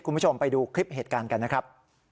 คุณผู้ชมไปดูคลิปเหตุการณ์กันนะครับ